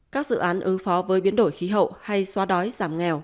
các dự án ứng phó với biến đổi khí hậu hay xóa đói giảm nghèo